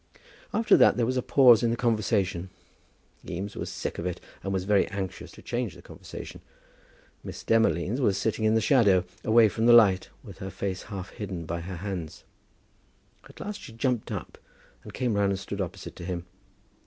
After that there was a pause in the conversation. Eames was sick of it, and was very anxious to change the conversation. Miss Demolines was sitting in the shadow, away from the light, with her face half hidden by her hands. At last she jumped up, and came round and stood opposite to him.